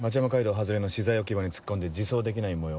外れの資材置き場に突っ込んで自走できないもよう。